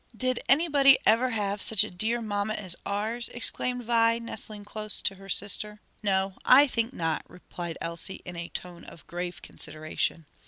"Did anybody ever have such a dear mamma as ours!" exclaimed Vi, nestling close to her sister. "No, I think not," replied Elsie in a tone of grave consideration.